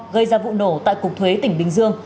gây ra vụ nổ tại cục thuế tỉnh bình dương